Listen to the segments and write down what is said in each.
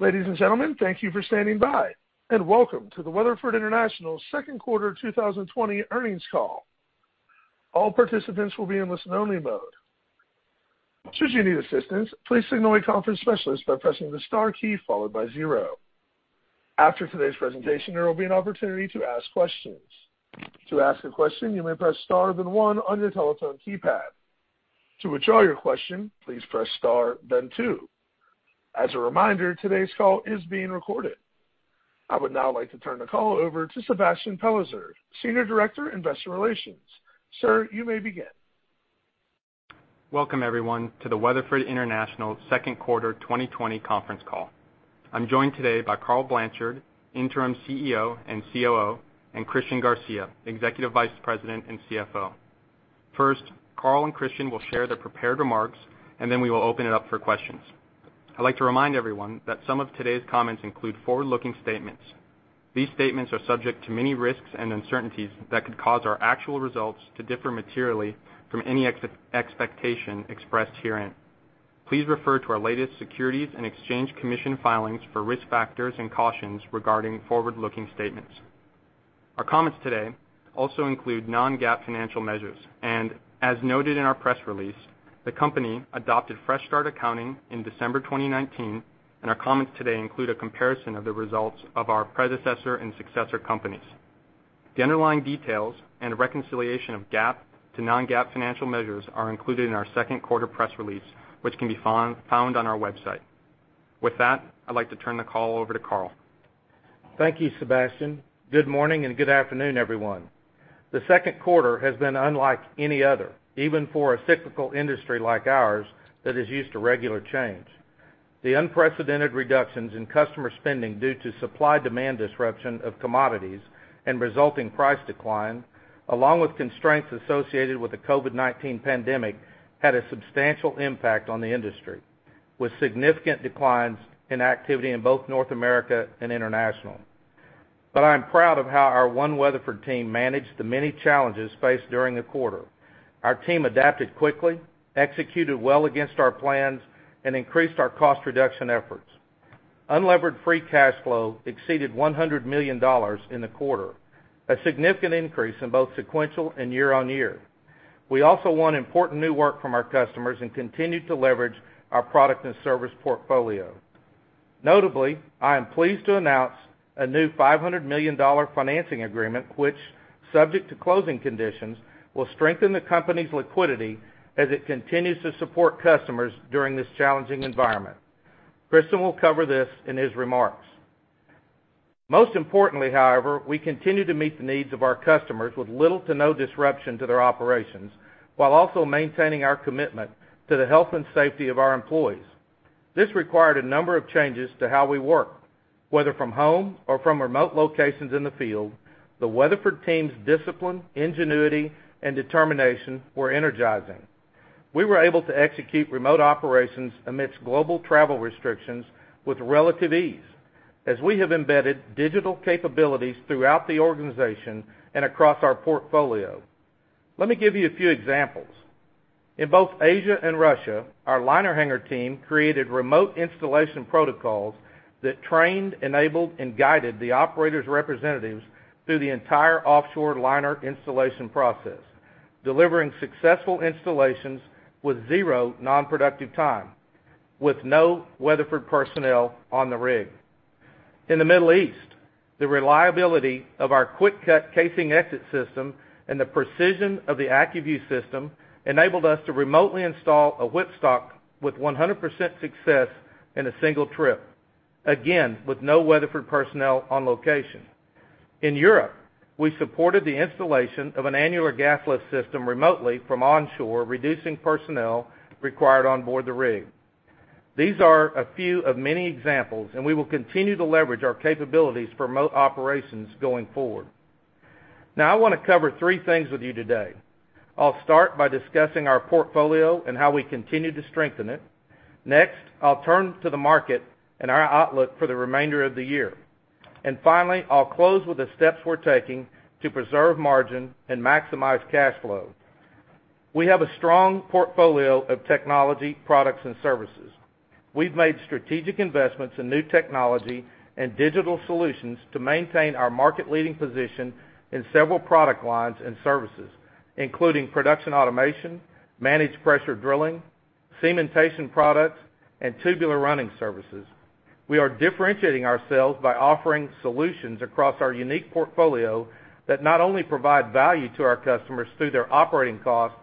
Ladies and gentlemen, thank you for standing by, and welcome to the Weatherford International second quarter 2020 earnings call. All participants will be in listen only mode. Should you need assistance, please signal a conference specialist by pressing the star key followed by zero. After today's presentation, there will be an opportunity to ask questions. To ask a question, you may press star, then one on your telephone keypad. To withdraw your question, please press star, then two. As a reminder, today's call is being recorded. I would now like to turn the call over to Sebastian Pellicer, senior director, investor relations. Sir, you may begin. Welcome, everyone to the Weatherford International second quarter 2020 conference call. I'm joined today by Karl Blanchard, Interim Chief Executive Officer and Chief Operating Officer, and Christian Garcia, Executive Vice President and Chief Financial Officer. First, Karl and Christian will share their prepared remarks, then we will open it up for questions. I'd like to remind everyone that some of today's comments include forward-looking statements. These statements are subject to many risks and uncertainties that could cause our actual results to differ materially from any expectation expressed herein. Please refer to our latest Securities and Exchange Commission filings for risk factors and cautions regarding forward-looking statements. Our comments today also include non-GAAP financial measures. As noted in our press release, the company adopted fresh start accounting in December 2019, and our comments today include a comparison of the results of our predecessor and successor companies. The underlying details and reconciliation of GAAP to non-GAAP financial measures are included in our second quarter press release, which can be found on our website. With that, I'd like to turn the call over to Karl. Thank you, Sebastian. Good morning and good afternoon, everyone. The second quarter has been unlike any other, even for a cyclical industry like ours that is used to regular change. The unprecedented reductions in customer spending due to supply-demand disruption of commodities and resulting price decline, along with constraints associated with the COVID-19 pandemic, had a substantial impact on the industry, with significant declines in activity in both North America and international. I am proud of how our One Weatherford team managed the many challenges faced during the quarter. Our team adapted quickly, executed well against our plans, and increased our cost reduction efforts. Unlevered free cash flow exceeded $100 million in the quarter, a significant increase in both sequential and year-on-year. We also won important new work from our customers and continued to leverage our product and service portfolio. Notably, I am pleased to announce a new $500 million financing agreement, which, subject to closing conditions, will strengthen the company's liquidity as it continues to support customers during this challenging environment. Christian will cover this in his remarks. Most importantly, however, we continue to meet the needs of our customers with little to no disruption to their operations, while also maintaining our commitment to the health and safety of our employees. This required a number of changes to how we work, whether from home or from remote locations in the field. The Weatherford team's discipline, ingenuity, and determination were energizing. We were able to execute remote operations amidst global travel restrictions with relative ease, as we have embedded digital capabilities throughout the organization and across our portfolio. Let me give you a few examples. In both Asia and Russia, our liner hanger team created remote installation protocols that trained, enabled, and guided the operator's representatives through the entire offshore liner installation process, delivering successful installations with zero non-productive time, with no Weatherford personnel on the rig. In the Middle East, the reliability of our QuickCut casing exit system and the precision of the AccuView system enabled us to remotely install a whipstock with 100% success in a single trip. Again, with no Weatherford personnel on location. In Europe, we supported the installation of an annular gas lift system remotely from onshore, reducing personnel required on board the rig. These are a few of many examples, and we will continue to leverage our capabilities for remote operations going forward. I want to cover three things with you today. I'll start by discussing our portfolio and how we continue to strengthen it. I'll turn to the market and our outlook for the remainder of the year. Finally, I'll close with the steps we're taking to preserve margin and maximize cash flow. We have a strong portfolio of technology, products, and services. We've made strategic investments in new technology and digital solutions to maintain our market leading position in several product lines and services, including production automation, managed pressure drilling, cementation products, and tubular running services. We are differentiating ourselves by offering solutions across our unique portfolio that not only provide value to our customers through their operating costs,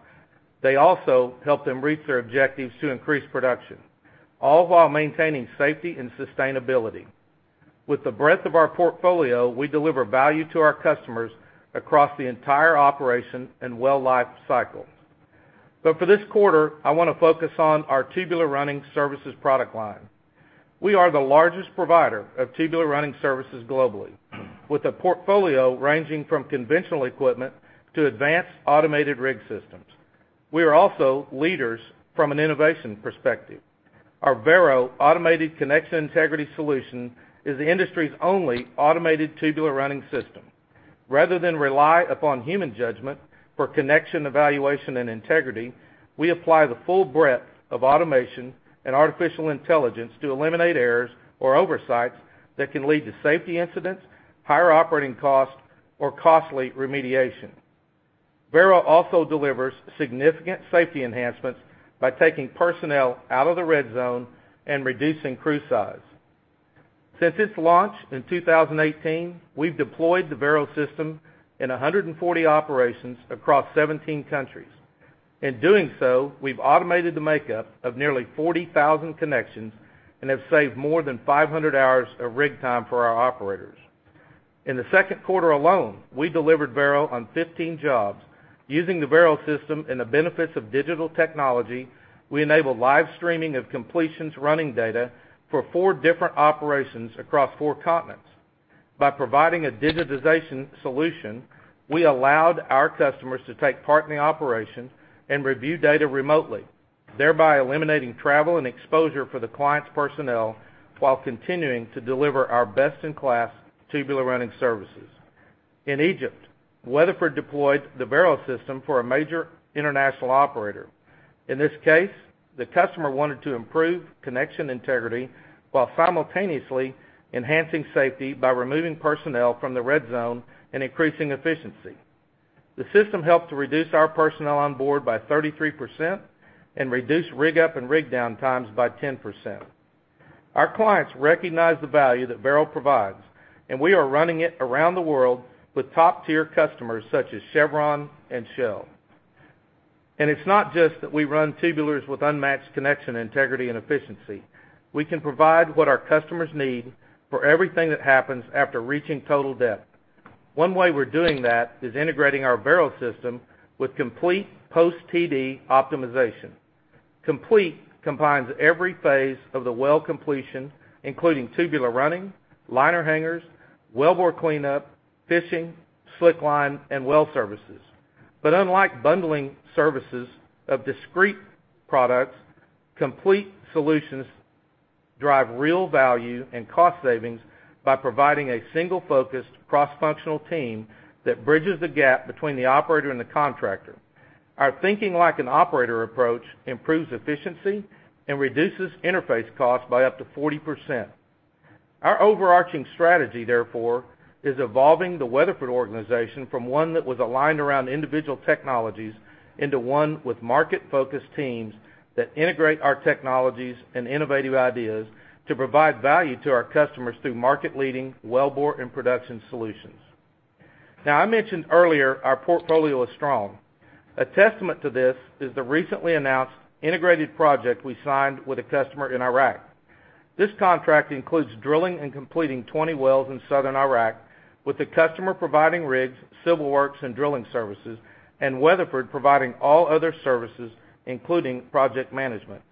they also help them reach their objectives to increase production, all while maintaining safety and sustainability. With the breadth of our portfolio, we deliver value to our customers across the entire operation and well life cycle. For this quarter, I want to focus on our tubular running services product line. We are the largest provider of tubular running services globally, with a portfolio ranging from conventional equipment to advanced automated rig systems. We are also leaders from an innovation perspective. Our Vero automated connection integrity solution is the industry's only automated tubular running system Rather than rely upon human judgment for connection, evaluation, and integrity, we apply the full breadth of automation and artificial intelligence to eliminate errors or oversights that can lead to safety incidents, higher operating costs, or costly remediation. Vero also delivers significant safety enhancements by taking personnel out of the red zone and reducing crew size. Since its launch in 2018, we've deployed the Vero system in 140 operations across 17 countries. In doing so, we've automated the makeup of nearly 40,000 connections and have saved more than 500 hours of rig time for our operators. In the second quarter alone, we delivered Vero on 15 jobs. Using the Vero system and the benefits of digital technology, we enabled live streaming of completions running data for four different operations across four continents. By providing a digitization solution, we allowed our customers to take part in the operation and review data remotely, thereby eliminating travel and exposure for the client's personnel while continuing to deliver our best-in-class tubular running services. In Egypt, Weatherford deployed the Vero system for a major international operator. In this case, the customer wanted to improve connection integrity while simultaneously enhancing safety by removing personnel from the red zone and increasing efficiency. The system helped to reduce our personnel on board by 33% and reduce rig up and rig down times by 10%. Our clients recognize the value that Vero provides, and we are running it around the world with top-tier customers such as Chevron and Shell. It's not just that we run tubulars with unmatched connection integrity and efficiency. We can provide what our customers need for everything that happens after reaching total depth. One way we're doing that is integrating our Vero system with complete post-TD optimization. Complete combines every phase of the well completion, including tubular running, liner hangers, wellbore cleanup, fishing, slickline, and well services. Unlike bundling services of discrete products, complete solutions drive real value and cost savings by providing a single-focused, cross-functional team that bridges the gap between the operator and the contractor. Our thinking like an operator approach improves efficiency and reduces interface costs by up to 40%. Our overarching strategy, therefore, is evolving the Weatherford organization from one that was aligned around individual technologies into one with market-focused teams that integrate our technologies and innovative ideas to provide value to our customers through market-leading wellbore and production solutions. I mentioned earlier our portfolio is strong. A testament to this is the recently announced integrated project we signed with a customer in Iraq. This contract includes drilling and completing 20 wells in southern Iraq with the customer providing rigs, civil works, and drilling services, and Weatherford providing all other services, including project management.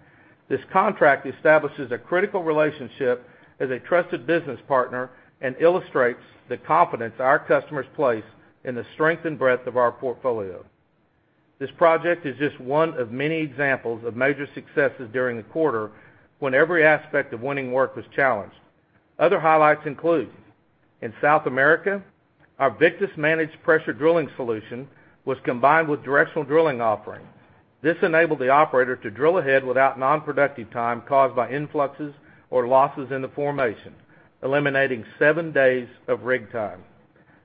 This contract establishes a critical relationship as a trusted business partner and illustrates the confidence our customers place in the strength and breadth of our portfolio. This project is just one of many examples of major successes during the quarter when every aspect of winning work was challenged. Other highlights include, in South America, our Victus managed pressure drilling solution was combined with directional drilling offering. This enabled the operator to drill ahead without non-productive time caused by influxes or losses in the formation, eliminating seven days of rig time.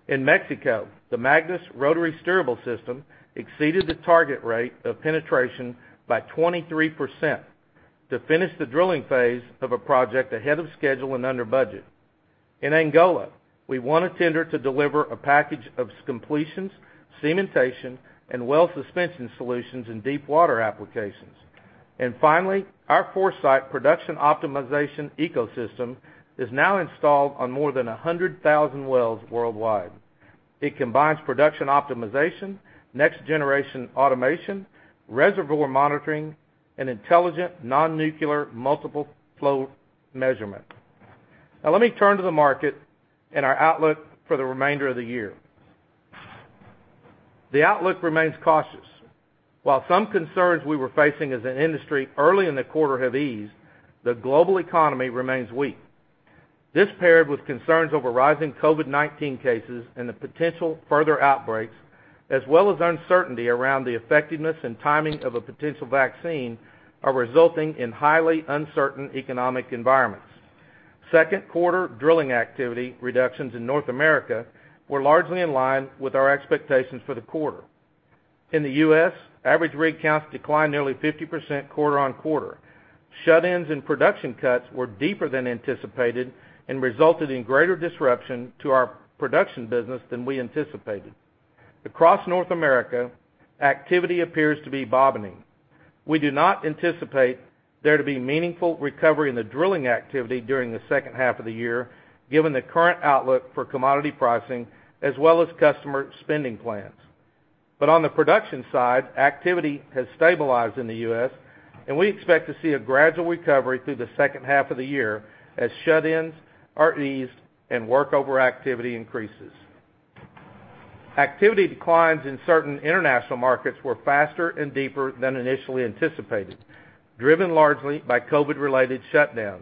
In Mexico, the Magnus rotary steerable system exceeded the target rate of penetration by 23% to finish the drilling phase of a project ahead of schedule and under budget. In Angola, we won a tender to deliver a package of completions, cementation, and well suspension solutions in deep water applications. Finally, our ForeSite production optimization ecosystem is now installed on more than 100,000 wells worldwide. It combines production optimization, next generation automation, reservoir monitoring, and intelligent non-nuclear multiple flow measurement. Let me turn to the market and our outlook for the remainder of the year. The outlook remains cautious. While some concerns we were facing as an industry early in the quarter have eased, the global economy remains weak. This paired with concerns over rising COVID-19 cases and the potential further outbreaks, as well as uncertainty around the effectiveness and timing of a potential vaccine, are resulting in highly uncertain economic environments. Second quarter drilling activity reductions in North America were largely in line with our expectations for the quarter. In the U.S., average rig counts declined nearly 50% quarter-on-quarter. Shut-ins and production cuts were deeper than anticipated and resulted in greater disruption to our production business than we anticipated. Across North America, activity appears to be bottoming. We do not anticipate there to be meaningful recovery in the drilling activity during the second half of the year, given the current outlook for commodity pricing as well as customer spending plans. On the production side, activity has stabilized in the U.S., and we expect to see a gradual recovery through the second half of the year as shut-ins are eased and work overactivity increases. Activity declines in certain international markets were faster and deeper than initially anticipated, driven largely by COVID-related shutdowns.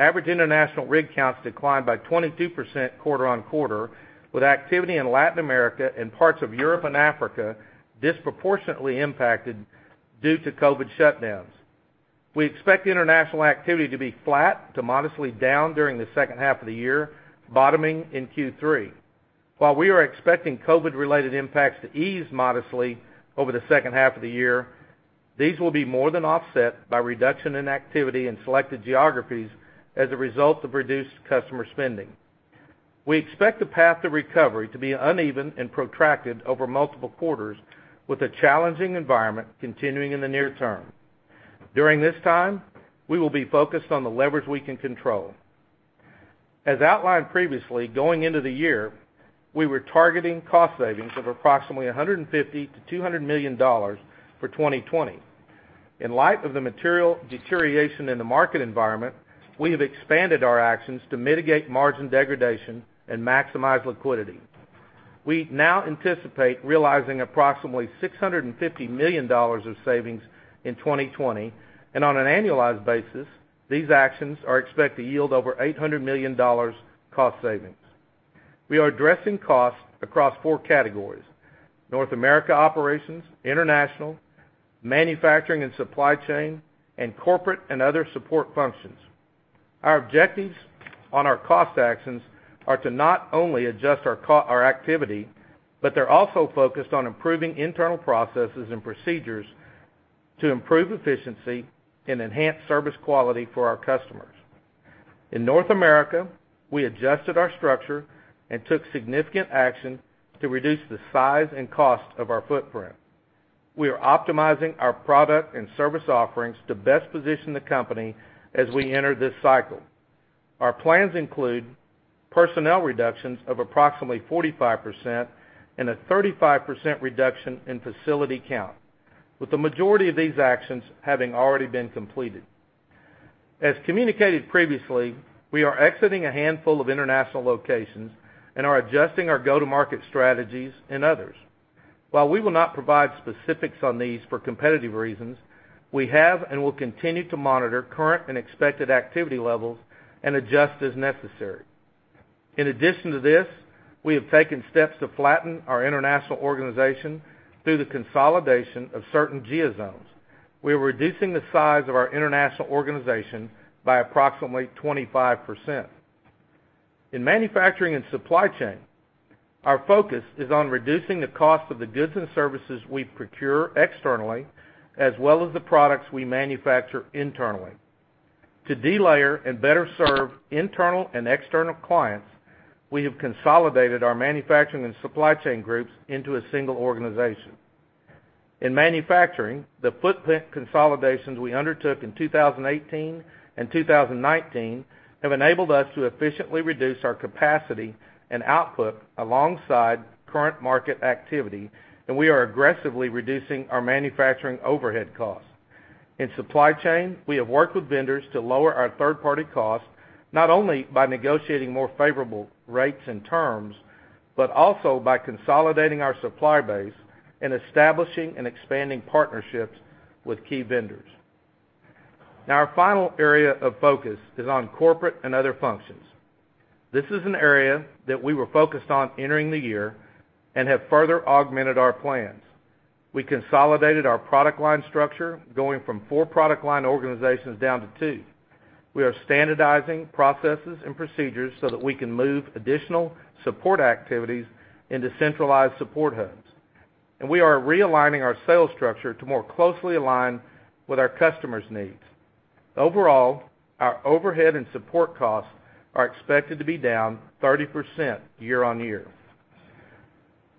Average international rig counts declined by 22% quarter-on-quarter, with activity in Latin America and parts of Europe and Africa disproportionately impacted due to COVID shutdowns. We expect international activity to be flat to modestly down during the second half of the year, bottoming in Q3. While we are expecting COVID-related impacts to ease modestly over the second half of the year, these will be more than offset by reduction in activity in selected geographies as a result of reduced customer spending. We expect the path to recovery to be uneven and protracted over multiple quarters, with a challenging environment continuing in the near term. During this time, we will be focused on the levers we can control. As outlined previously, going into the year, we were targeting cost savings of approximately $150 million-$200 million for 2020. In light of the material deterioration in the market environment, we have expanded our actions to mitigate margin degradation and maximize liquidity. We now anticipate realizing approximately $650 million of savings in 2020, and on an annualized basis, these actions are expected to yield over $800 million cost savings. We are addressing costs across 4 categories: North America operations, international, manufacturing and supply chain, and corporate and other support functions. Our objectives on our cost actions are to not only adjust our activity, but they're also focused on improving internal processes and procedures to improve efficiency and enhance service quality for our customers. In North America, we adjusted our structure and took significant action to reduce the size and cost of our footprint. We are optimizing our product and service offerings to best position the company as we enter this cycle. Our plans include personnel reductions of approximately 45% and a 35% reduction in facility count, with the majority of these actions having already been completed. As communicated previously, we are exiting a handful of international locations and are adjusting our go-to-market strategies in others. While we will not provide specifics on these for competitive reasons, we have and will continue to monitor current and expected activity levels and adjust as necessary. In addition to this, we have taken steps to flatten our international organization through the consolidation of certain Geozones. We are reducing the size of our international organization by approximately 25%. In manufacturing and supply chain, our focus is on reducing the cost of the goods and services we procure externally, as well as the products we manufacture internally. To delayer and better serve internal and external clients, we have consolidated our manufacturing and supply chain groups into a single organization. In manufacturing, the footprint consolidations we undertook in 2018 and 2019 have enabled us to efficiently reduce our capacity and output alongside current market activity. We are aggressively reducing our manufacturing overhead costs. In supply chain, we have worked with vendors to lower our third-party costs, not only by negotiating more favorable rates and terms, but also by consolidating our supplier base and establishing and expanding partnerships with key vendors. Our final area of focus is on corporate and other functions. This is an area that we were focused on entering the year and have further augmented our plans. We consolidated our product line structure, going from four product line organizations down to two. We are standardizing processes and procedures so that we can move additional support activities into centralized support hubs. We are realigning our sales structure to more closely align with our customers' needs. Overall, our overhead and support costs are expected to be down 30% year-on-year.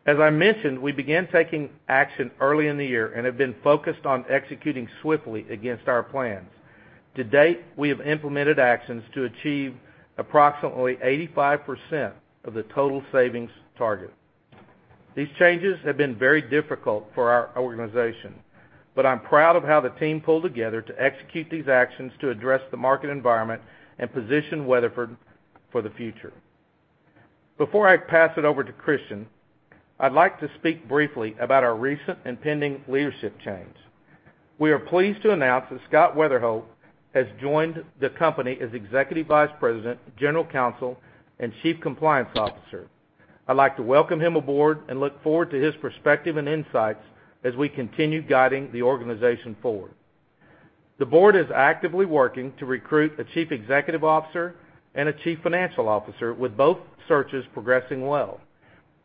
As I mentioned, we began taking action early in the year and have been focused on executing swiftly against our plans. To date, we have implemented actions to achieve approximately 85% of the total savings target. These changes have been very difficult for our organization, but I'm proud of how the team pulled together to execute these actions to address the market environment and position Weatherford for the future. Before I pass it over to Christian, I'd like to speak briefly about our recent impending leadership change. We are pleased to announce that Scott Weatherholt has joined the company as Executive Vice President, General Counsel, and Chief Compliance Officer. I'd like to welcome him aboard and look forward to his perspective and insights as we continue guiding the organization forward. The board is actively working to recruit a chief executive officer and a chief financial officer, with both searches progressing well.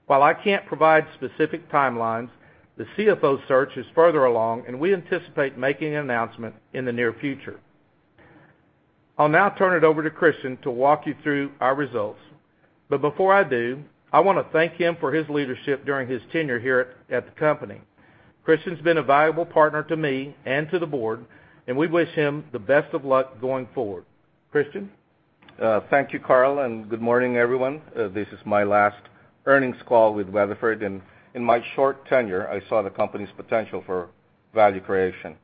While I can't provide specific timelines, the CFO search is further along, and we anticipate making an announcement in the near future. I'll now turn it over to Christian to walk you through our results. Before I do, I want to thank him for his leadership during his tenure here at the company. Christian's been a valuable partner to me and to the board, and we wish him the best of luck going forward. Christian? Thank you, Karl, and good morning, everyone. This is my last earnings call with Weatherford, and in my short tenure, I saw the company's potential for value creation.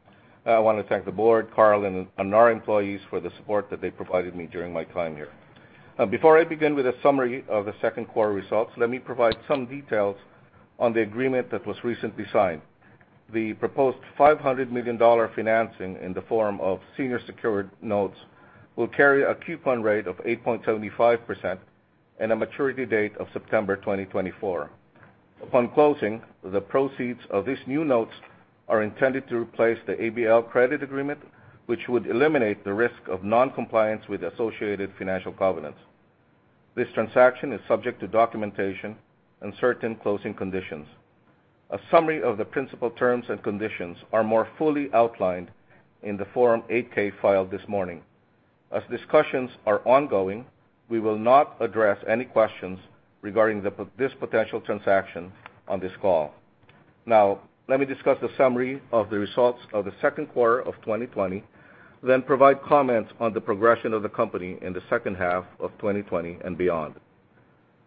I want to thank the board, Karl, and our employees for the support that they provided me during my time here. Before I begin with a summary of the second quarter results, let me provide some details on the agreement that was recently signed. The proposed $500 million financing in the form of senior secured notes will carry a coupon rate of 8.75% and a maturity date of September 2024. Upon closing, the proceeds of these new notes are intended to replace the ABL credit agreement, which would eliminate the risk of non-compliance with associated financial covenants. This transaction is subject to documentation and certain closing conditions. A summary of the principal terms and conditions are more fully outlined in the Form 8-K filed this morning. As discussions are ongoing, we will not address any questions regarding this potential transaction on this call. Let me discuss the summary of the results of the second quarter of 2020, then provide comments on the progression of the company in the second half of 2020 and beyond.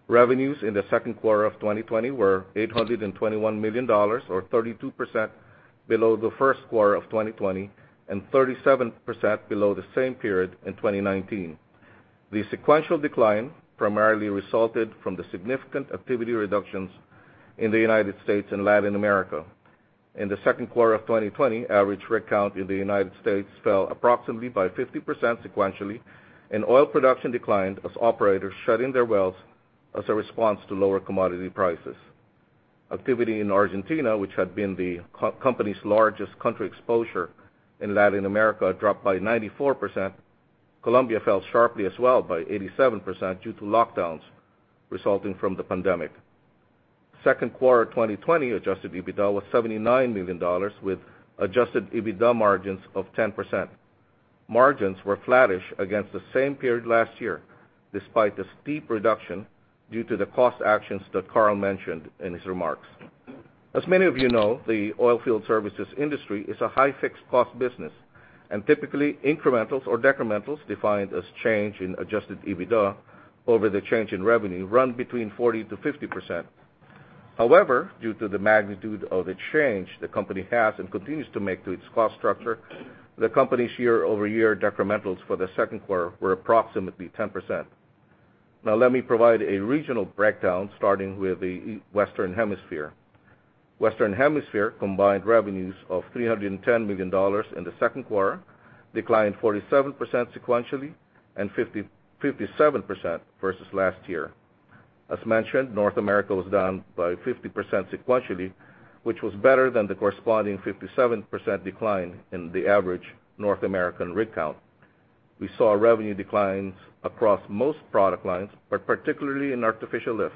Revenues in the second quarter of 2020 were $821 million, or 32% below the first quarter of 2020, and 37% below the same period in 2019. The sequential decline primarily resulted from the significant activity reductions in the U.S. and Latin America. In the second quarter of 2020, average rig count in the U.S. fell approximately by 50% sequentially, and oil production declined as operators shut in their wells as a response to lower commodity prices. Activity in Argentina, which had been the company's largest country exposure in Latin America, dropped by 94%. Colombia fell sharply as well by 87% due to lockdowns resulting from the pandemic. Second quarter 2020 adjusted EBITDA was $79 million, with adjusted EBITDA margins of 10%. Margins were flattish against the same period last year, despite the steep reduction due to the cost actions that Karl mentioned in his remarks. As many of you know, the oilfield services industry is a high fixed cost business, typically incrementals or decrementals defined as change in adjusted EBITDA over the change in revenue run between 40%-50%. However, due to the magnitude of the change the company has and continues to make to its cost structure, the company's year-over-year decrementals for the second quarter were approximately 10%. Let me provide a regional breakdown, starting with the Western Hemisphere. Western Hemisphere combined revenues of $310 million in the second quarter declined 47% sequentially and 57% versus last year. As mentioned, North America was down by 50% sequentially, which was better than the corresponding 57% decline in the average North American rig count. We saw revenue declines across most product lines, but particularly in artificial lift,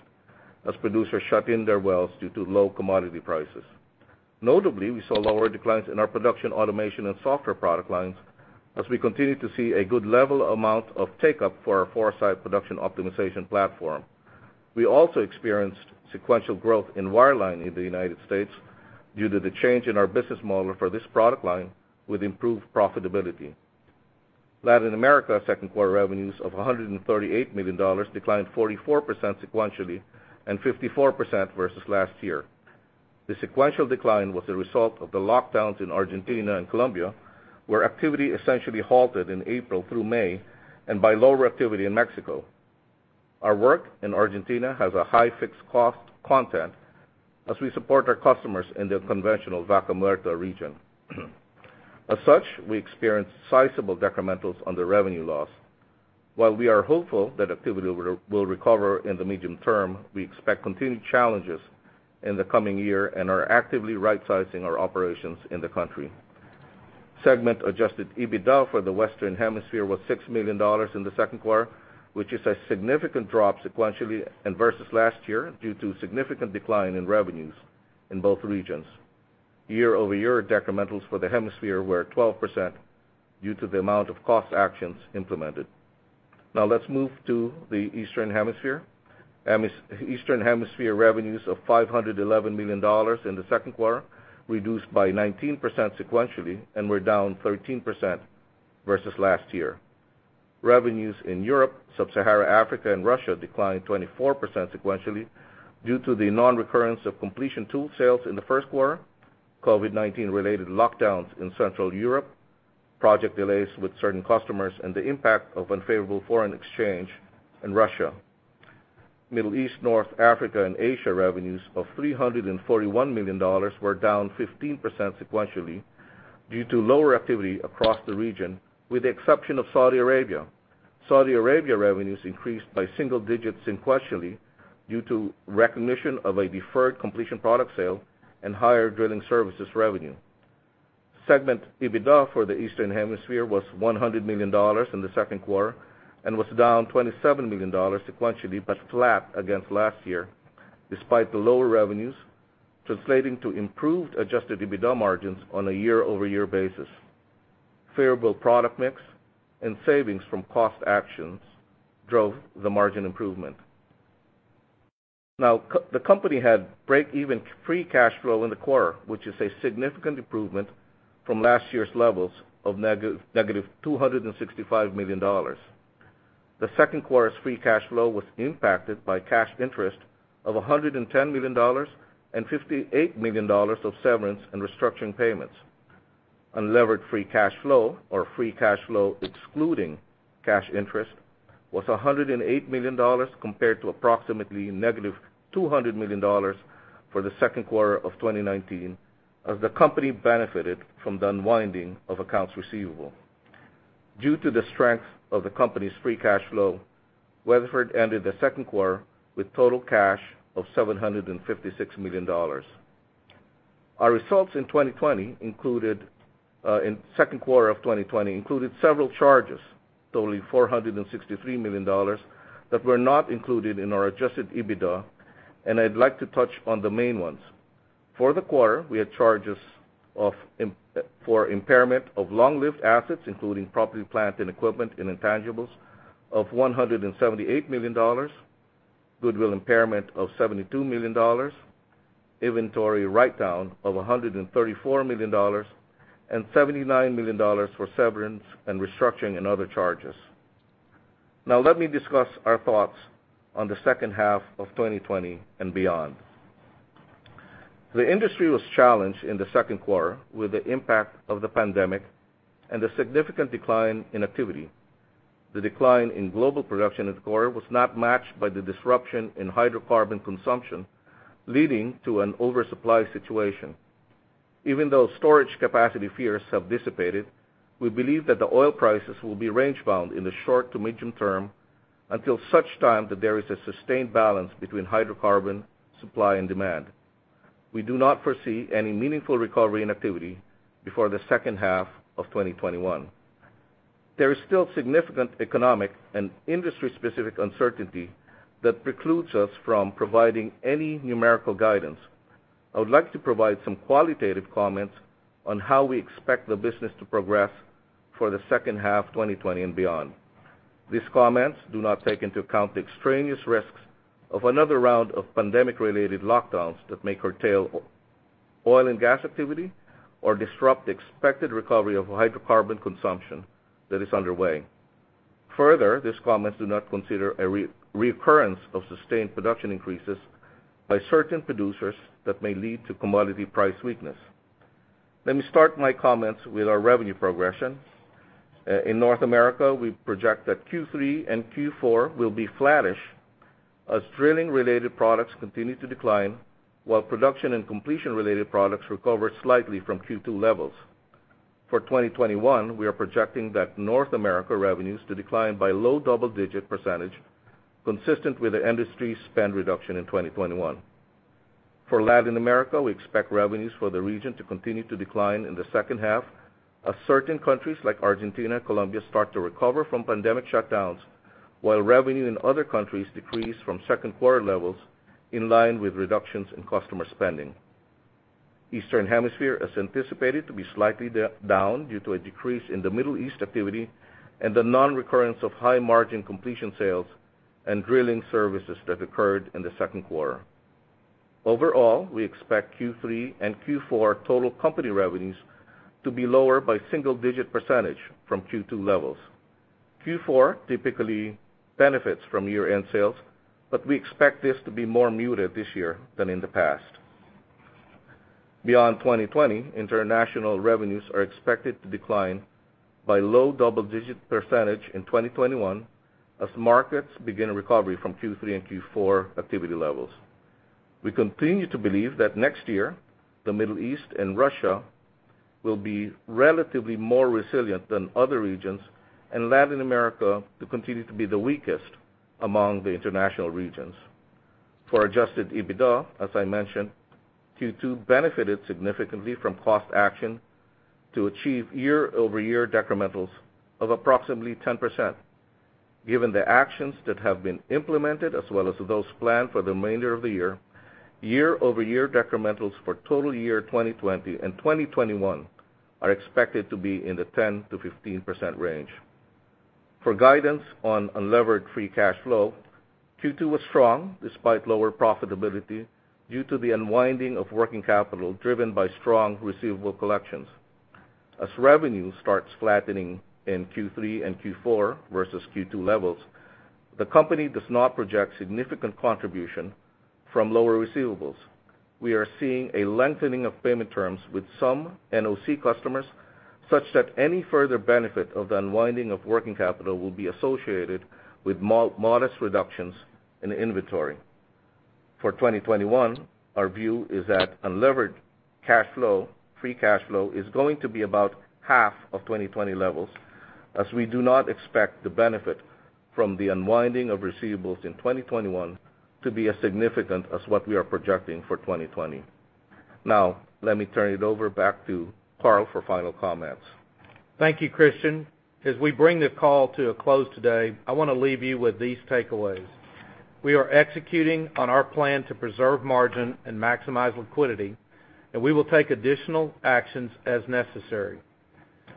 as producers shut in their wells due to low commodity prices. Notably, we saw lower declines in our production automation and software product lines as we continue to see a good level amount of take-up for our ForeSite production optimization platform. We also experienced sequential growth in wireline in the U.S. due to the change in our business model for this product line with improved profitability. Latin America second quarter revenues of $138 million declined 44% sequentially and 54% versus last year. The sequential decline was the result of the lockdowns in Argentina and Colombia, where activity essentially halted in April through May and by lower activity in Mexico. Our work in Argentina has a high fixed cost content as we support our customers in the conventional Vaca Muerta region. As such, we experienced sizable decrementals on the revenue loss. While we are hopeful that activity will recover in the medium term, we expect continued challenges in the coming year and are actively rightsizing our operations in the country. Segment adjusted EBITDA for the Western Hemisphere was $6 million in the second quarter, which is a significant drop sequentially and versus last year due to significant decline in revenues in both regions. Year-over-year decrementals for the hemisphere were 12% due to the amount of cost actions implemented. Let's move to the Eastern Hemisphere. Eastern Hemisphere revenues of $511 million in the second quarter reduced by 19% sequentially and were down 13% versus last year. Revenues in Europe, Sub-Sahara Africa, and Russia declined 24% sequentially due to the non-recurrence of completion tool sales in the first quarter, COVID-19 related lockdowns in Central Europe, project delays with certain customers, and the impact of unfavorable foreign exchange in Russia. Middle East, North Africa, and Asia revenues of $341 million were down 15% sequentially due to lower activity across the region, with the exception of Saudi Arabia. Saudi Arabia revenues increased by single digits sequentially due to recognition of a deferred completion product sale and higher drilling services revenue. Segment EBITDA for the Eastern Hemisphere was $100 million in the second quarter and was down $27 million sequentially, but flat against last year, despite the lower revenues translating to improved adjusted EBITDA margins on a year-over-year basis. Favorable product mix and savings from cost actions drove the margin improvement. The company had breakeven free cash flow in the quarter, which is a significant improvement from last year's levels of negative $265 million. The second quarter's free cash flow was impacted by cash interest of $110 million and $58 million of severance and restructuring payments. Unlevered free cash flow or free cash flow excluding cash interest was $108 million compared to approximately negative $200 million for the second quarter of 2019, as the company benefited from the unwinding of accounts receivable. Due to the strength of the company's free cash flow, Weatherford ended the second quarter with total cash of $756 million. Our results in second quarter of 2020 included several charges totaling $463 million that were not included in our adjusted EBITDA, and I'd like to touch on the main ones. For the quarter, we had charges for impairment of long-lived assets, including property, plant, and equipment, and intangibles of $178 million, goodwill impairment of $72 million, inventory write-down of $134 million, and $79 million for severance and restructuring and other charges. Let me discuss our thoughts on the second half of 2020 and beyond. The industry was challenged in the second quarter with the impact of the pandemic and a significant decline in activity. The decline in global production in the quarter was not matched by the disruption in hydrocarbon consumption, leading to an oversupply situation. Even though storage capacity fears have dissipated, we believe that the oil prices will be range bound in the short to medium term until such time that there is a sustained balance between hydrocarbon supply and demand. We do not foresee any meaningful recovery in activity before the second half of 2021. There is still significant economic and industry-specific uncertainty that precludes us from providing any numerical guidance. I would like to provide some qualitative comments on how we expect the business to progress for the second half 2020 and beyond. These comments do not take into account the extraneous risks of another round of pandemic-related lockdowns that may curtail oil and gas activity or disrupt the expected recovery of hydrocarbon consumption that is underway. Further, these comments do not consider a reoccurrence of sustained production increases by certain producers that may lead to commodity price weakness. Let me start my comments with our revenue progression. In North America, we project that Q3 and Q4 will be flattish as drilling-related products continue to decline, while production and completions-related products recover slightly from Q2 levels. For 2021, we are projecting that North America revenues to decline by low double-digit %, consistent with the industry's spend reduction in 2021. For Latin America, we expect revenues for the region to continue to decline in the second half as certain countries like Argentina and Colombia start to recover from pandemic shutdowns, while revenue in other countries decrease from second quarter levels in line with reductions in customer spending. Eastern Hemisphere is anticipated to be slightly down due to a decrease in the Middle East activity and the non-recurrence of high-margin completions sales and drilling services that occurred in the second quarter. Overall, we expect Q3 and Q4 total company revenues to be lower by single-digit % from Q2 levels. Q4 typically benefits from year-end sales, but we expect this to be more muted this year than in the past. Beyond 2020, international revenues are expected to decline by low double-digit % in 2021 as markets begin a recovery from Q3 and Q4 activity levels. We continue to believe that next year, the Middle East and Russia will be relatively more resilient than other regions, and Latin America to continue to be the weakest among the international regions. For adjusted EBITDA, as I mentioned, Q2 benefited significantly from cost action to achieve year-over-year decrementals of approximately 10%. Given the actions that have been implemented as well as those planned for the remainder of the year-over-year decrementals for total year 2020 and 2021 are expected to be in the 10%-15% range. For guidance on unlevered free cash flow, Q2 was strong despite lower profitability due to the unwinding of working capital driven by strong receivable collections. As revenue starts flattening in Q3 and Q4 versus Q2 levels, the company does not project significant contribution from lower receivables. We are seeing a lengthening of payment terms with some NOC customers, such that any further benefit of the unwinding of working capital will be associated with modest reductions in inventory. For 2021, our view is that unlevered free cash flow is going to be about half of 2020 levels, as we do not expect the benefit from the unwinding of receivables in 2021 to be as significant as what we are projecting for 2020. Now, let me turn it over back to Karl for final comments. Thank you, Christian. As we bring the call to a close today, I want to leave you with these takeaways. We are executing on our plan to preserve margin and maximize liquidity, and we will take additional actions as necessary.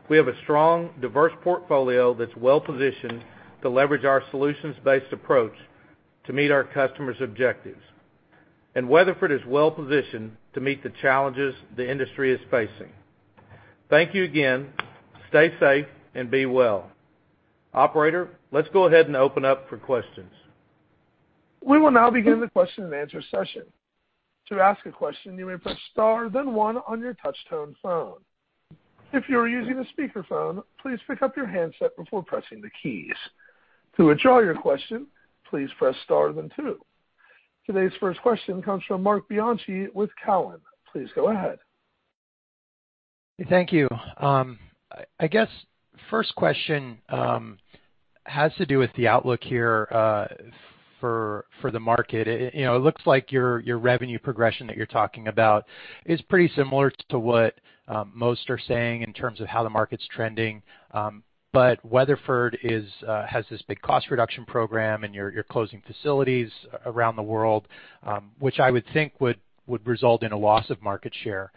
We have a strong, diverse portfolio that's well-positioned to leverage our solutions-based approach to meet our customers' objectives. Weatherford is well-positioned to meet the challenges the industry is facing. Thank you again. Stay safe and be well. Operator, let's go ahead and open up for questions We will now begin the question and answer session. To ask a question, you may press star then one on your touch-tone phone. If you are using a speakerphone, please pick up your handset before pressing the keys. To withdraw your question, please press star then two. Today's first question comes from Marc Bianchi with Cowen. Please go ahead. Thank you. I guess first question has to do with the outlook here for the market. It looks like your revenue progression that you're talking about is pretty similar to what most are saying in terms of how the market's trending. Weatherford has this big cost reduction program, and you're closing facilities around the world, which I would think would result in a loss of market share.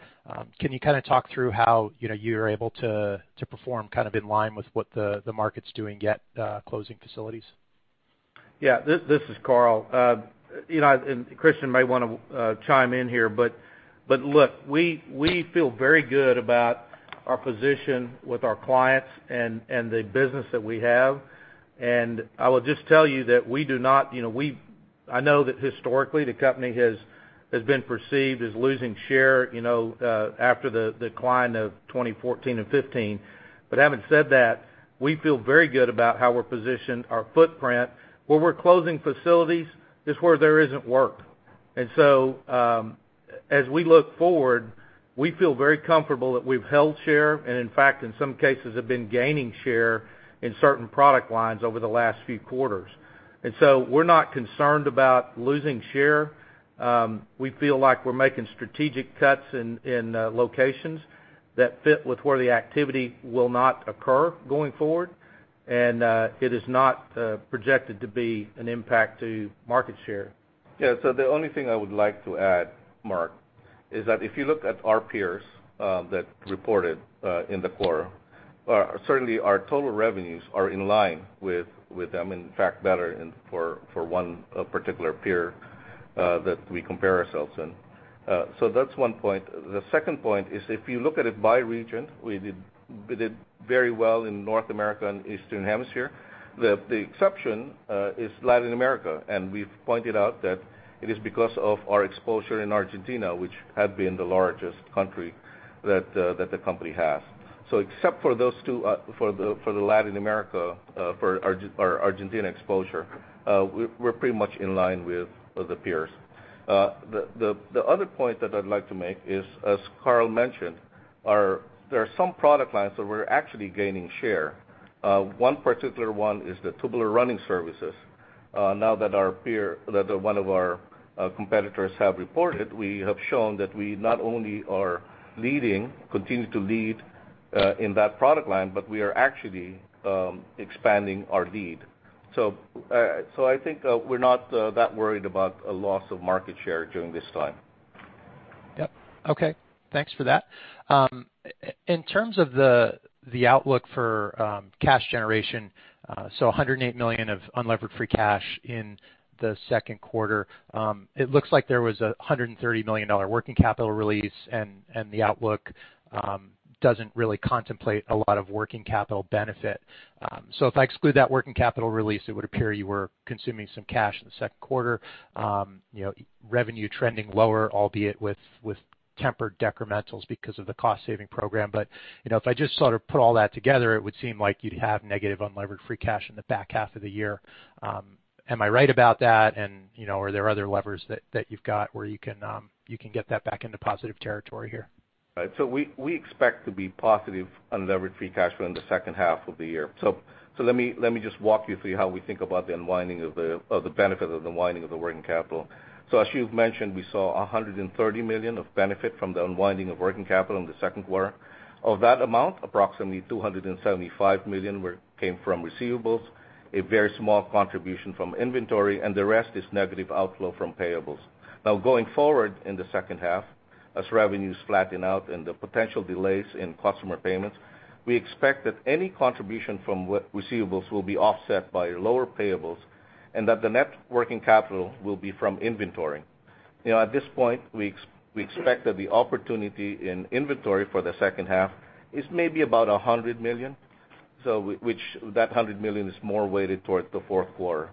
Can you kind of talk through how you're able to perform kind of in line with what the market's doing yet closing facilities? Yeah. This is Karl. Christian may want to chime in here. Look, we feel very good about our position with our clients and the business that we have. I will just tell you that I know that historically the company has been perceived as losing share after the decline of 2014 and 2015. Having said that, we feel very good about how we're positioned, our footprint. Where we're closing facilities is where there isn't work. As we look forward, we feel very comfortable that we've held share, and in fact, in some cases have been gaining share in certain product lines over the last few quarters. We're not concerned about losing share. We feel like we're making strategic cuts in locations that fit with where the activity will not occur going forward. It is not projected to be an impact to market share. The only thing I would like to add, Marc, is that if you look at our peers that reported in the quarter, certainly our total revenues are in line with them, in fact, better for one particular peer that we compare ourselves in. That's one point. The second point is, if you look at it by region, we did very well in North America and Eastern Hemisphere. The exception is Latin America, we've pointed out that it is because of our exposure in Argentina, which had been the largest country that the company has. Except for the Latin America, for our Argentina exposure, we're pretty much in line with the peers. The other point that I'd like to make is, as Karl mentioned, there are some product lines that we're actually gaining share. One particular one is the tubular running services. Now that one of our competitors have reported, we have shown that we not only are leading, continue to lead in that product line, but we are actually expanding our lead. I think we're not that worried about a loss of market share during this time. Thanks for that. In terms of the outlook for cash generation, $108 million of unlevered free cash in the second quarter. It looks like there was a $130 million working capital release, the outlook doesn't really contemplate a lot of working capital benefit. If I exclude that working capital release, it would appear you were consuming some cash in the second quarter. Revenue trending lower, albeit with tempered decrementals because of the cost-saving program. If I just sort of put all that together, it would seem like you'd have negative unlevered free cash in the back half of the year. Am I right about that? Are there other levers that you've got where you can get that back into positive territory here? We expect to be positive unlevered free cash flow in the second half of the year. Let me just walk you through how we think about the benefit of the unwinding of the working capital. As you've mentioned, we saw $130 million of benefit from the unwinding of working capital in the second quarter. Of that amount, approximately $275 million came from receivables, a very small contribution from inventory, and the rest is negative outflow from payables. Going forward in the second half, as revenues flatten out and the potential delays in customer payments, we expect that any contribution from receivables will be offset by lower payables and that the net working capital will be from inventory. At this point, we expect that the opportunity in inventory for the second half is maybe about $100 million. Which that $100 million is more weighted towards the fourth quarter.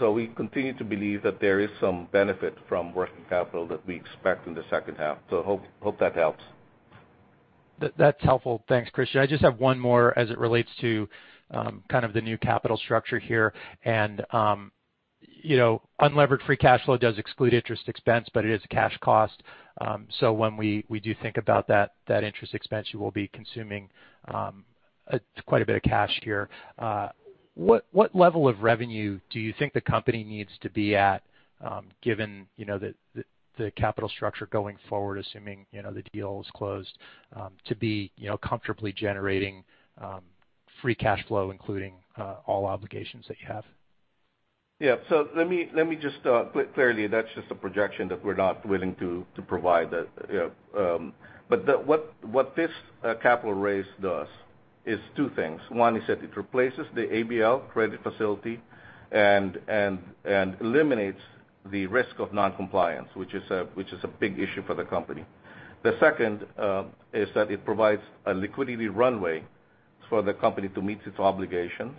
We continue to believe that there is some benefit from working capital that we expect in the second half. Hope that helps. That's helpful. Thanks, Christian. I just have one more as it relates to kind of the new capital structure here. Unlevered free cash flow does exclude interest expense, but it is a cash cost. When we do think about that interest expense, you will be consuming quite a bit of cash here. What level of revenue do you think the company needs to be at given the capital structure going forward, assuming the deal is closed to be comfortably generating free cash flow, including all obligations that you have? Yeah. Clearly, that's just a projection that we're not willing to provide that. What this capital raise does is two things. One is that it replaces the ABL credit facility and eliminates the risk of non-compliance, which is a big issue for the company. The second is that it provides a liquidity runway for the company to meet its obligations,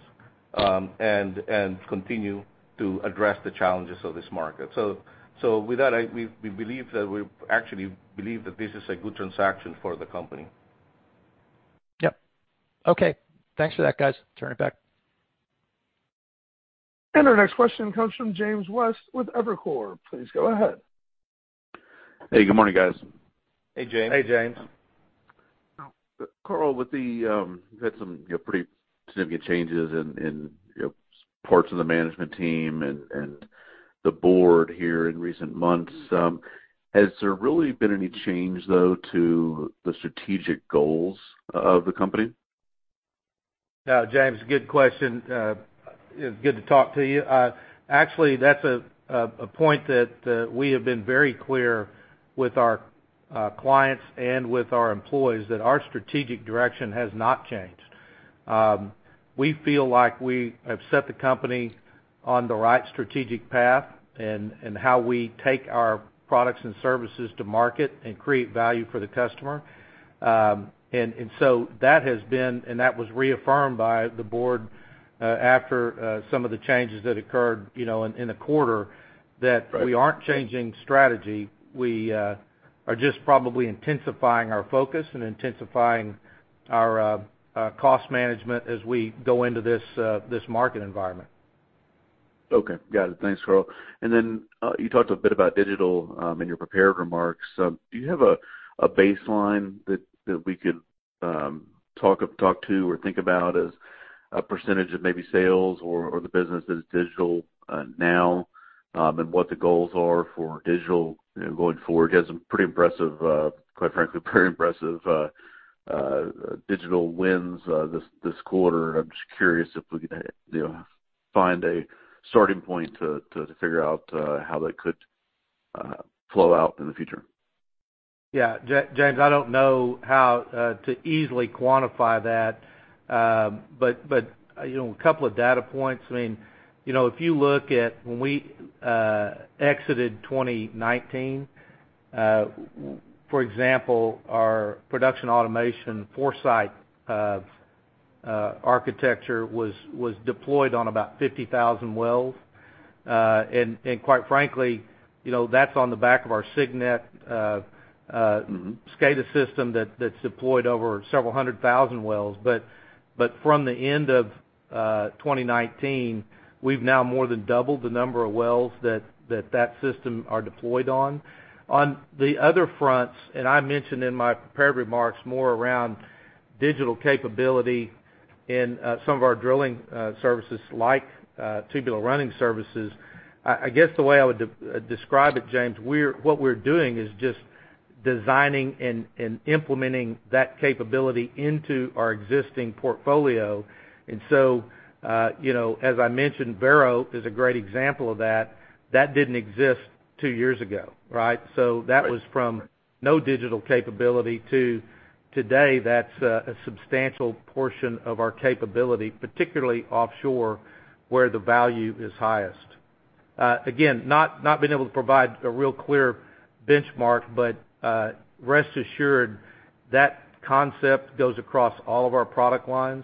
and continue to address the challenges of this market. With that, we actually believe that this is a good transaction for the company. Yep. Okay. Thanks for that, guys. Turn it back. Our next question comes from James West with Evercore. Please go ahead. Hey, good morning, guys. Hey, James. Hey, James. Karl, you've had some pretty significant changes in parts of the management team and the board here in recent months. Has there really been any change, though, to the strategic goals of the company? James, good question. Good to talk to you. Actually, that's a point that we have been very clear with our clients and with our employees that our strategic direction has not changed. We feel like we have set the company on the right strategic path and how we take our products and services to market and create value for the customer. That has been, and that was reaffirmed by the board after some of the changes that occurred in the quarter, that we aren't changing strategy. We are just probably intensifying our focus and intensifying our cost management as we go into this market environment. Okay, got it. Thanks, Karl. You talked a bit about digital in your prepared remarks. Do you have a baseline that we could talk to or think about as a % of maybe sales or the business that is digital now, and what the goals are for digital going forward? You had, quite frankly, pretty impressive digital wins this quarter. I'm just curious if we could find a starting point to figure out how that could flow out in the future. James, I don't know how to easily quantify that. A couple of data points. If you look at when we exited 2019, for example, our production automation ForeSite architecture was deployed on about 50,000 wells. Quite frankly, that's on the back of our CygNet SCADA system that's deployed over several hundred thousand wells. From the end of 2019, we've now more than doubled the number of wells that that system are deployed on. On the other fronts, I mentioned in my prepared remarks more around digital capability in some of our drilling services, like tubular running services. I guess the way I would describe it, James, what we're doing is just designing and implementing that capability into our existing portfolio. As I mentioned, Vero is a great example of that. That didn't exist two years ago, right? That was from no digital capability to today, that's a substantial portion of our capability, particularly offshore, where the value is highest. Again, not being able to provide a real clear benchmark, rest assured that concept goes across all of our product lines.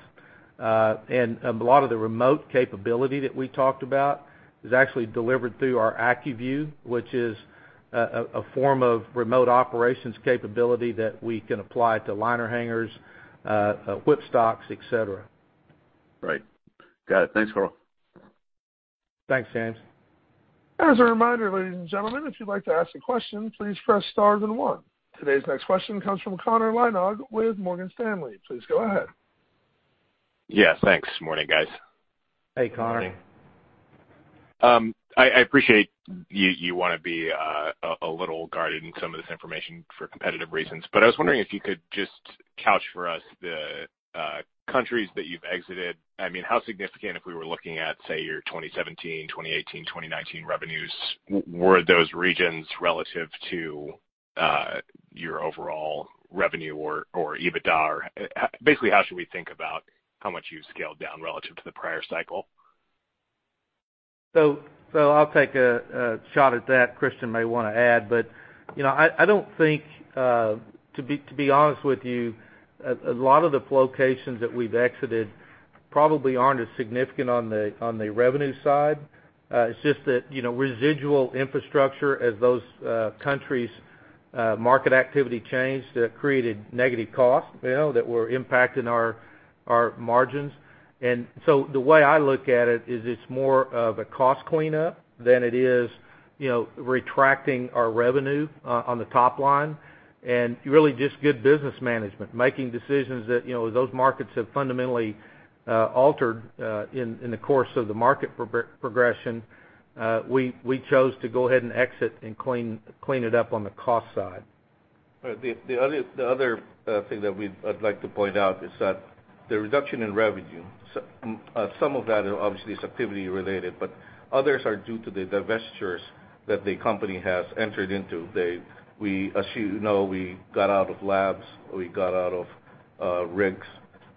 A lot of the remote capability that we talked about is actually delivered through our AccuView, which is a form of remote operations capability that we can apply to liner hangers, whip stocks, et cetera. Right. Got it. Thanks, Karl. Thanks, James. As a reminder, ladies and gentlemen, if you'd like to ask a question, please press star then one. Today's next question comes from Connor Lynagh with Morgan Stanley. Please go ahead. Yeah, thanks. Morning, guys. Hey, Connor. Morning. I appreciate you want to be a little guarded in some of this information for competitive reasons. I was wondering if you could just couch for us the countries that you've exited. How significant, if we were looking at, say, your 2017, 2018, 2019 revenues, were those regions relative to your overall revenue or EBITDA? Basically, how should we think about how much you've scaled down relative to the prior cycle? I'll take a shot at that. Christian may want to add. I don't think, to be honest with you, a lot of the locations that we've exited probably aren't as significant on the revenue side. It's just that residual infrastructure as those countries' market activity changed, created negative costs that were impacting our margins. The way I look at it is it's more of a cost cleanup than it is retracting our revenue on the top line, and really just good business management. Making decisions that those markets have fundamentally altered in the course of the market progression. We chose to go ahead and exit and clean it up on the cost side. The other thing that I'd like to point out is that the reduction in revenue, some of that obviously is activity-related, but others are due to the divestitures that the company has entered into. As you know, we got out of labs, we got out of rigs,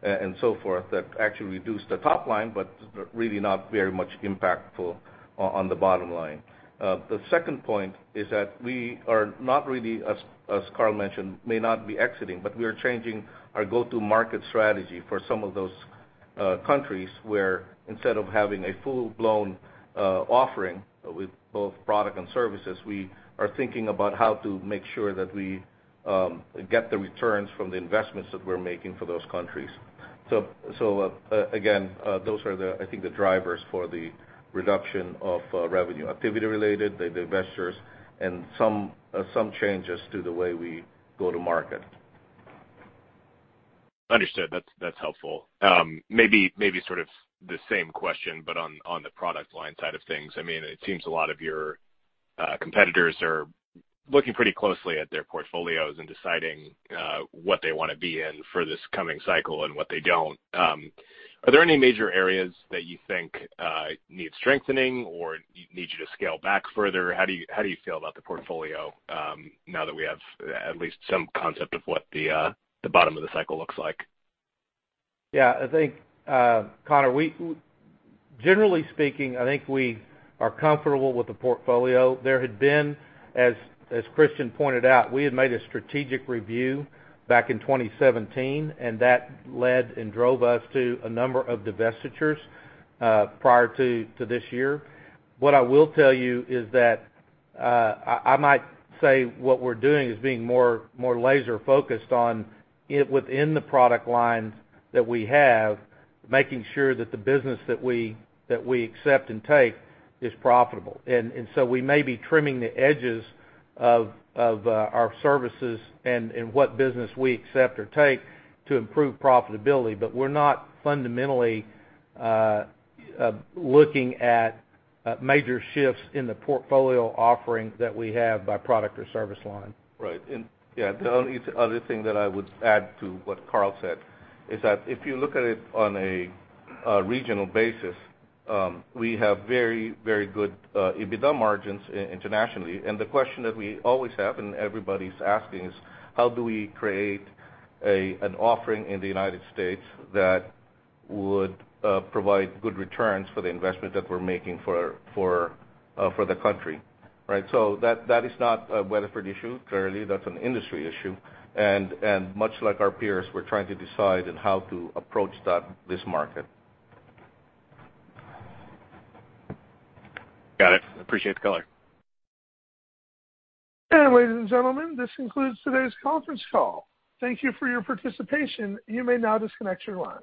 and so forth, that actually reduced the top line, but really not very much impactful on the bottom line. The second point is that we are not really, as Karl mentioned, may not be exiting, but we are changing our go-to market strategy for some of those countries where instead of having a full-blown offering with both product and services, we are thinking about how to make sure that we get the returns from the investments that we're making for those countries. Again, those are the drivers for the reduction of revenue. Activity related, the divestitures, some changes to the way we go to market. Understood. That's helpful. Sort of the same question, but on the product line side of things. It seems a lot of your competitors are looking pretty closely at their portfolios and deciding what they want to be in for this coming cycle and what they don't. Are there any major areas that you think need strengthening or need you to scale back further? How do you feel about the portfolio now that we have at least some concept of what the bottom of the cycle looks like? Yeah, I think, Connor, generally speaking, I think we are comfortable with the portfolio. There had been, as Christian pointed out, we had made a strategic review back in 2017, and that led and drove us to a number of divestitures prior to this year. What I will tell you is that I might say what we're doing is being more laser-focused on it within the product lines that we have, making sure that the business that we accept and take is profitable. So we may be trimming the edges of our services and what business we accept or take to improve profitability. We're not fundamentally looking at major shifts in the portfolio offering that we have by product or service line. Right. The only other thing that I would add to what Karl said is that if you look at it on a regional basis, we have very good EBITDA margins internationally, and the question that we always have, and everybody's asking is how do we create an offering in the United States that would provide good returns for the investment that we're making for the country, right? That is not a Weatherford issue. Clearly, that's an industry issue. Much like our peers, we're trying to decide on how to approach this market. Got it. Appreciate the color. Ladies and gentlemen, this concludes today's conference call. Thank you for your participation. You may now disconnect your lines.